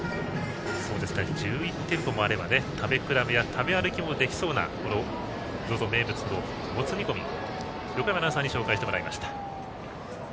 １１店舗もあれば食べ比べや食べ歩きもできそうなＺＯＺＯ名物のもつ煮込みを横山アナウンサーに紹介していただきました。